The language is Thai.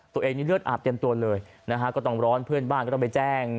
ตัวเองนี่เลือดอาบเต็มตัวเลยนะฮะก็ต้องร้อนเพื่อนบ้านก็ต้องไปแจ้ง